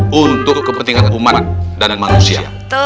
hai untuk kepentingan umat dan manusia